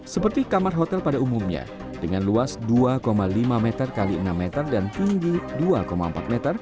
seperti kamar hotel pada umumnya dengan luas dua lima meter x enam meter dan tinggi dua empat meter